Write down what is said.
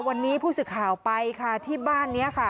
วันนี้ผู้สื่อข่าวไปค่ะที่บ้านนี้ค่ะ